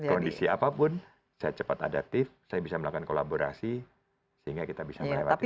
kondisi apapun saya cepat adaptif saya bisa melakukan kolaborasi sehingga kita bisa melewati